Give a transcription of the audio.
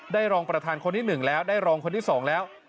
ได้รองประทานคนที่หนึ่งแล้วได้รองคนที่สองแล้ว